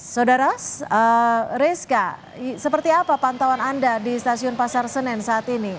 saudara rizka seperti apa pantauan anda di stasiun pasar senen saat ini